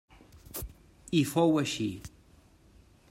I fou així.